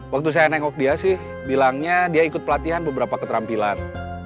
waktu saya nengok dia sih bilangnya dia ikut pelatihan beberapa keterampilan